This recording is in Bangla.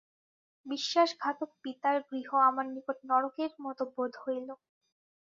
বিশ্বাসঘাতক পিতার গৃহ আমার নিকট নরকের মতো বোধ হইল।